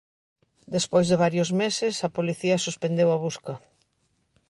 Despois de varios meses, a policía suspendeu a busca.